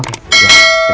oke terima kasih